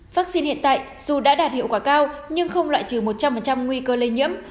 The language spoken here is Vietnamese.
vaccine hiện tại dù đã đạt hiệu quả cao nhưng không loại trừ một trăm linh nguy cơ lây nhiễm